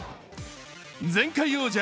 前回王者